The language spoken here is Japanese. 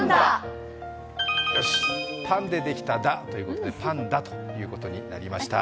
パンでできたダでパンダということになりました。